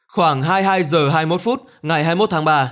khoảng hai mươi hai h hai mươi một phút ngày hai mươi một tháng ba